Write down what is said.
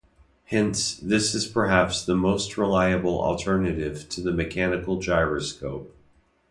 Hence, this is perhaps the most reliable alternative to the mechanical gyroscope.